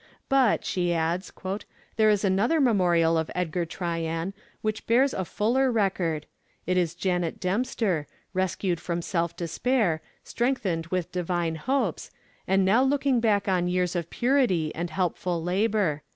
'But,' she adds, '_there is another memorial of Edgar Tryan, which bears a fuller record; it is Janet Dempster, rescued from self despair, strengthened with Divine hopes, and now looking back on years of purity and helpful labor.